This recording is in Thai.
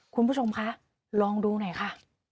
คุณผู้ชมคะลองดูหน่อยค่ะ